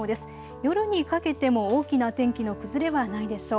夜にかけても大きな天気の崩れはないでしょう。